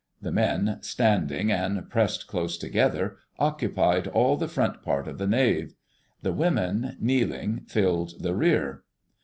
The men, standing, and pressed close together, occupied all the front part of the nave; the women, kneeling, filled the rear.